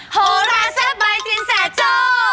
โหราแซ่บใบสินแสโจ้